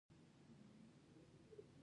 د ادرار د ستونزې لپاره باید څه وکړم؟